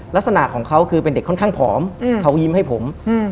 ลักษณะของเขาคือเป็นเด็กค่อนข้างผอมเขายิ้มให้ผม